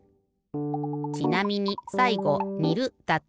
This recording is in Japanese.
ちなみにさいごにるだと。